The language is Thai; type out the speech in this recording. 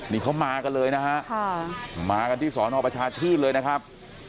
นี่เขามากันเลยนะฮะมากันที่สอนอประชาชื่นเลยนะครับ